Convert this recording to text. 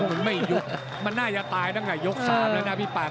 มันไม่ยกมันน่าจะตายตั้งแต่ยก๓แล้วนะพี่ปาก